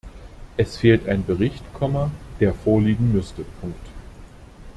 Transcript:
Es fehlt ein Bericht, der vorliegen müsste.